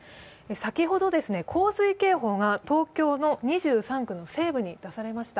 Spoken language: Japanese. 先ほど、洪水警報が東京２３区の西部に出されました。